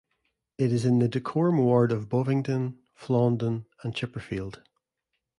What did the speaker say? It is in the Dacorum Ward of Bovingdon, Flaunden and Chipperfield.